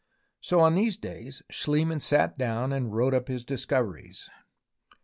So on these days Schliemann sat down and wrote up his discoveries.